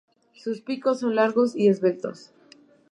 Sus picos son largos y esbeltos.